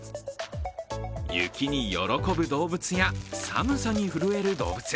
雪に喜ぶ動物や寒さに震える動物。